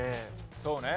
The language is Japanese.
そうね。